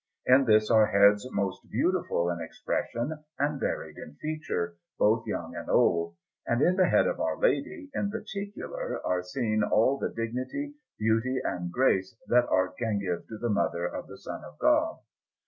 In this are heads most beautiful in expression and varied in features, both young and old; and in the head of Our Lady, in particular, are seen all the dignity, beauty, and grace that art can give to the Mother of the Son of God.